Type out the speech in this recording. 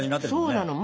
そうなの。